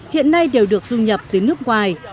hiện nay đều được dung nhập tới nước ngoài